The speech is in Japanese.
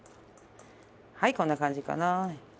はいこんな感じかな？